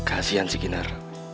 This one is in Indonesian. kasian si kinar